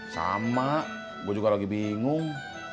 sama gue juga lagi bingung